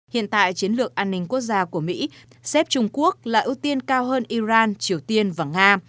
hiện tại chiến lược an ninh quốc gia của mỹ xếp trung quốc là ưu tiên cao hơn iran triều tiên và nga